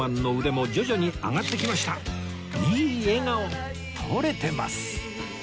いい笑顔撮れてます